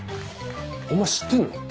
お前知ってんの？